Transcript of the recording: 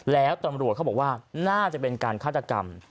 แล้วตำรวจเขาบอกว่าน่าจะเป็นการฆาตกรรม